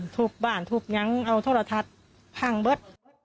ถูกบ้านถูกยั้งเอาทั่วละทัศน์พังเบิ๊ด